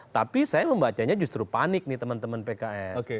tapi saya membacanya justru panik nih teman teman pks